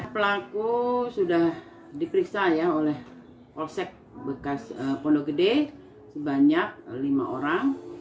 pelaku sudah diperiksa oleh polsek bekas pondok gede sebanyak lima orang